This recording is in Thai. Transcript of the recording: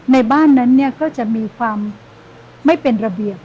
ในบ้านนั้นเนี่ยก็จะมีความไม่เป็นระเบียบ